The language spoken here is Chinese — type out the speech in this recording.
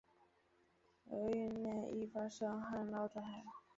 流域内易发生旱涝灾害。